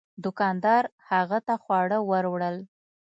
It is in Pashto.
دوکاندار هغه ته خواړه ور وړل.